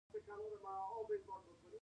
د ګاونډیو لاسپوڅي هېواد خرڅوي.